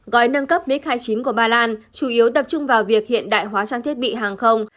gói nâng cấp mic hai mươi chín của ba lan chủ yếu tập trung vào việc hiện đại hóa trang thiết bị hàng không